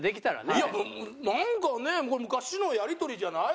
なんかね昔のやり取りじゃない？